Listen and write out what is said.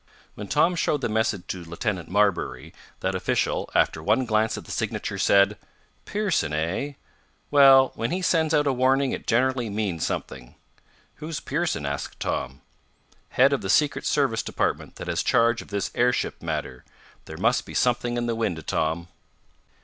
When Tom showed the message to Lieutenant Marbury, that official, after one glance at the signature, said: "Pierson, eh? Well, when he sends out a warning it generally means something." "Who's Pierson?" asked Tom. "Head of the Secret Service department that has charge of this airship matter. There must be something in the wind, Tom."